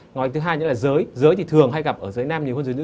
ngoài thứ hai nữa là giới giới thì thường hay gặp ở giới nam nhiều hơn dưới nữ